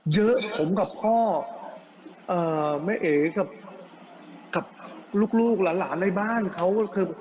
เยอะคุณกับพ่อแม่เอกกับลูกหลานในบ้านเขา